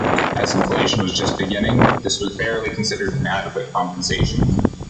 As inflation was just beginning, this was barely considered an adequate compensation.